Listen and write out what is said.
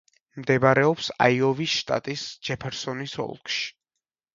მდებარეობს აიოვის შტატის ჯეფერსონის ოლქში.